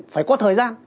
phải có thời gian